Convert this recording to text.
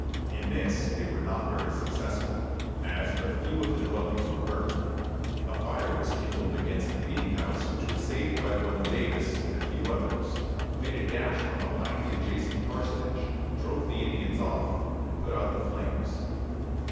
In this they were not very successful, as but few of the dwellings were burned. A fire was kindled against the meeting house, which was saved by one Davis and a few others, who made a dash from behind the adjacent parsonage, drove the Indians off, and put out the flames.